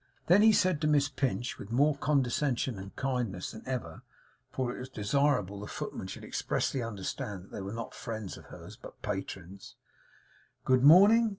Then he said to Miss Pinch with more condescension and kindness than ever, for it was desirable the footman should expressly understand that they were not friends of hers, but patrons: 'Good morning.